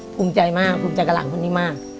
ภูมิใจมากภูมิใจกับหลานคนนี้มาก